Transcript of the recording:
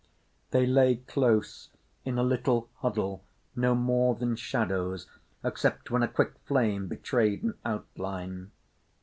They lay close, in a little huddle, no more than shadows except when a quick flame betrayed an outline.